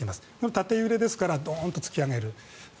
縦揺れですからドンと突き上げる。